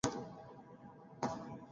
ni victor abuso na tukielekea huko burundi